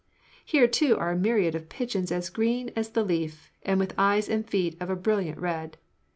Here, too, are a myriad of pigeons as green as the leaf and with eyes and feet of a brilliant red.